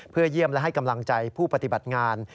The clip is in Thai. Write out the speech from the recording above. เพื่อเยี่ยมและให้กำลังใจผู้ปฏิบัติงาน